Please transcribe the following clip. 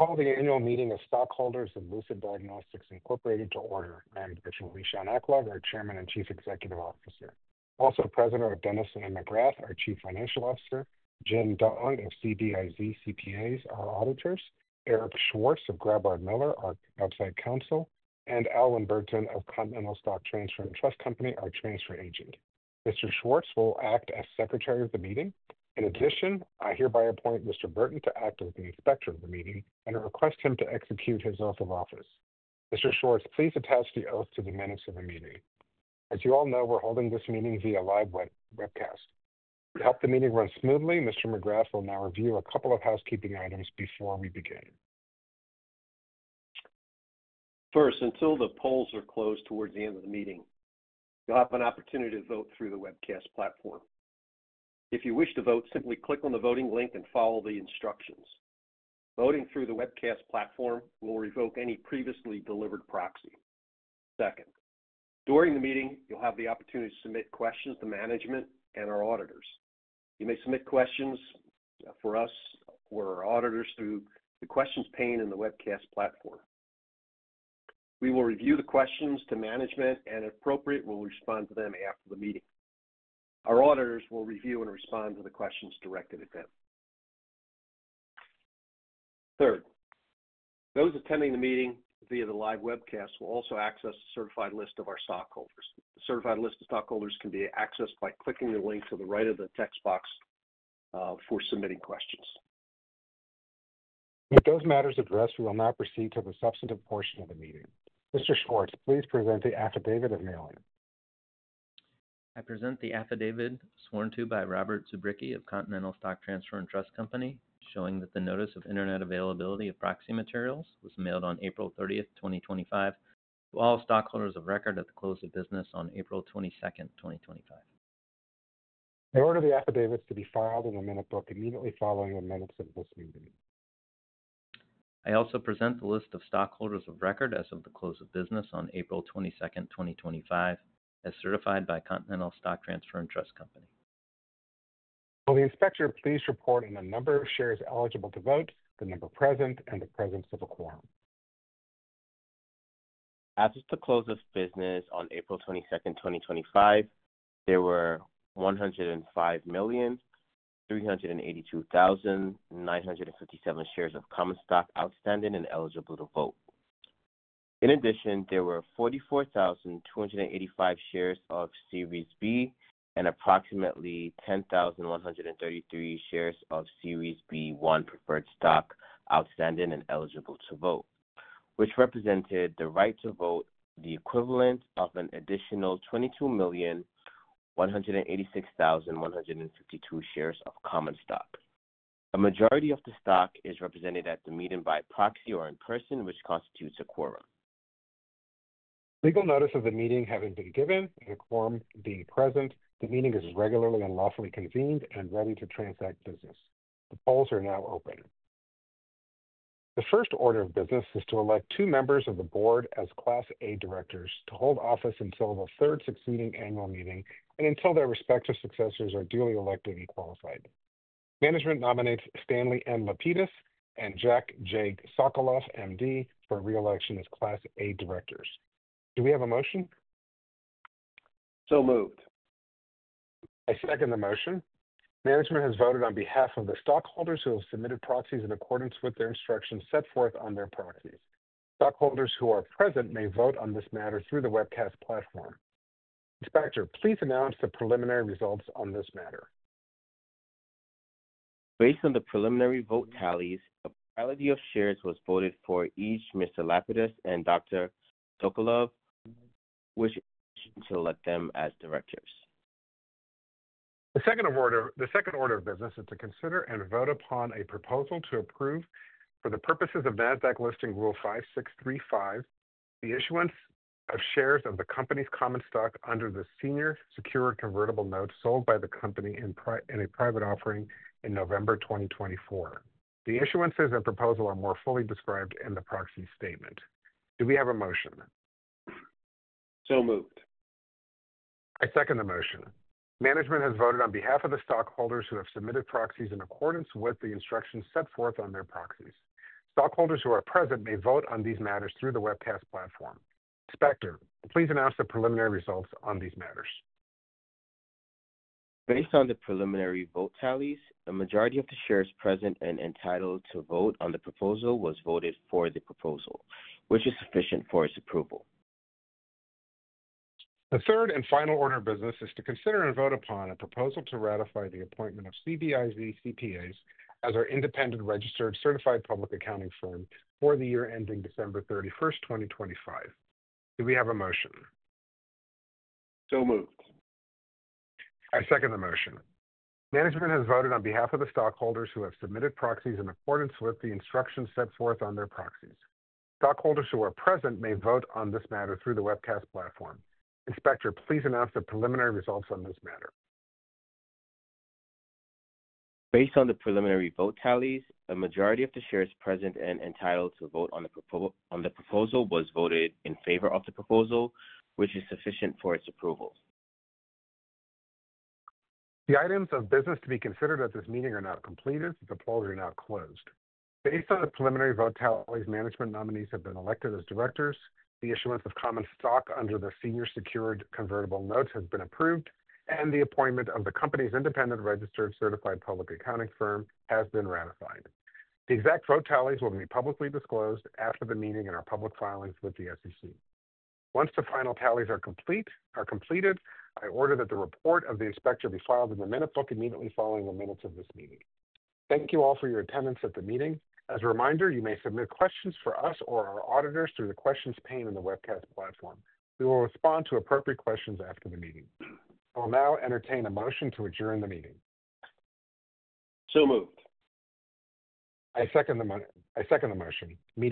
Calling the annual meeting of stockholders of Lucid Diagnostics Incorporated to order. I am Dr. Lishan Aklog, our Chairman and Chief Executive Officer. Also, President Dennis McGrath, our Chief Financial Officer; Jen Dong, of CDIZ CPAs, our Auditor; Eric Schwartz, of Grabart Miller, our Outside Counsel; and Alan Burton, of Continental Stock Transfer and Trust Company, our Transfer Agent. Mr. Schwartz will act as Secretary of the Meeting. In addition, I hereby appoint Mr. Burton to act as the Inspector of the Meeting and request him to execute his oath of office. Mr. Schwartz, please attach the oath to the minutes of the meeting. As you all know, we're holding this meeting via live webcast. To help the meeting run smoothly, Mr. McGrath will now review a couple of housekeeping items before we begin. First, until the polls are closed towards the end of the meeting, you'll have an opportunity to vote through the webcast platform. If you wish to vote, simply click on the voting link and follow the instructions. Voting through the webcast platform will revoke any previously delivered proxy. Second, during the meeting, you'll have the opportunity to submit questions to management and our Auditors. You may submit questions for us or our Auditors through the Questions pane in the webcast platform. We will review the questions to management, and if appropriate, we'll respond to them after the meeting. Our Auditors will review and respond to the questions directed at them. Third, those attending the meeting via the live webcast will also access a certified list of our stockholders. The certified list of stockholders can be accessed by clicking the link to the right of the text box for submitting questions. With those matters addressed, we will now proceed to the substantive portion of the meeting. Mr. Schwartz, please present the affidavit of mailing. I present the affidavit sworn to by Robert Zubricky of Continental Stock Transfer and Trust Company, showing that the Notice of Internet Availability of Proxy Materials was mailed on April 30th, 2025, to all stockholders of record at the close of business on April 22nd, 2025. I order the affidavits to be filed in the Minute Book immediately following the minutes of this meeting. I also present the list of stockholders of record as of the close of business on April 22nd, 2025, as certified by Continental Stock Transfer and Trust Company. Will the Inspector please report on the number of shares eligible to vote, the number present, and the presence of a quorum? As of the close of business on April 22, 2025, there were 105,382,957 shares of common stock outstanding and eligible to vote. In addition, there were 44,285 shares of Series B and approximately 10,133 shares of Series B1 preferred stock outstanding and eligible to vote, which represented the right to vote the equivalent of an additional 22,186,152 shares of common stock. A majority of the stock is represented at the meeting by proxy or in person, which constitutes a quorum. Legal notice of the meeting having been given, the quorum being present, the meeting is regularly and lawfully convened and ready to transact business. The polls are now open. The first order of business is to elect two members of the board as Class A Directors to hold office until the third succeeding annual meeting and until their respective successors are duly elected and qualified. Management nominates Stanley N. Lapidus and Jacque J. Sokolov, M.D., for reelection as Class A Directors. Do we have a motion? So moved. I second the motion. Management has voted on behalf of the stockholders who have submitted proxies in accordance with their instructions set forth on their proxies. Stockholders who are present may vote on this matter through the webcast platform. Inspector, please announce the preliminary results on this matter. Based on the preliminary vote tallies, a quorum of shares was voted for each Mr. Lapidus and Dr. Sokolov, wishing to elect them as Directors. The second order of business is to consider and vote upon a proposal to approve, for the purposes of NASDAQ Listing Rule 5635, the issuance of shares of the company's common stock under the senior secured convertible note sold by the company in a private offering in November 2024. The issuances and proposal are more fully described in the proxy statement. Do we have a motion? So moved. I second the motion. Management has voted on behalf of the stockholders who have submitted proxies in accordance with the instructions set forth on their proxies. Stockholders who are present may vote on these matters through the webcast platform. Inspector, please announce the preliminary results on these matters. Based on the preliminary vote tallies, the majority of the shares present and entitled to vote on the proposal was voted for the proposal, which is sufficient for its approval. The third and final order of business is to consider and vote upon a proposal to ratify the appointment of CDIZ CPAs as our independent registered certified public accounting firm for the year ending December 31st, 2025. Do we have a motion? So moved. I second the motion. Management has voted on behalf of the stockholders who have submitted proxies in accordance with the instructions set forth on their proxies. Stockholders who are present may vote on this matter through the webcast platform. Inspector, please announce the preliminary results on this matter. Based on the preliminary vote tallies, a majority of the shares present and entitled to vote on the proposal was voted in favor of the proposal, which is sufficient for its approval. The items of business to be considered at this meeting are now completed. The polls are now closed. Based on the preliminary vote tallies, management nominees have been elected as Directors. The issuance of common stock under the senior secured convertible note has been approved, and the appointment of the company's independent registered certified public accounting firm has been ratified. The exact vote tallies will be publicly disclosed after the meeting in our public filings with the SEC. Once the final tallies are completed, I order that the report of the Inspector be filed in the Minute Book immediately following the minutes of this meeting. Thank you all for your attendance at the meeting. As a reminder, you may submit questions for us or our Auditors through the Questions pane in the webcast platform. We will respond to appropriate questions after the meeting. I will now entertain a motion to adjourn the meeting. So moved. I second the motion. Meeting.